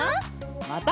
また。